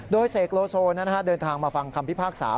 โดยเสกโลโซเดินทางมาฟังคำพิพากษา